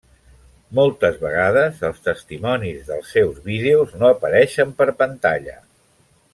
Moltes vegades els testimonis dels seus vídeos no apareixen per pantalla.